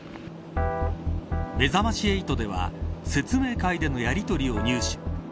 めざまし８では説明会でのやりとりを入手。